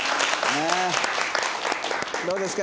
どうですか？